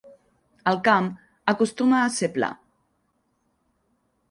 El camp acostuma a ser pla.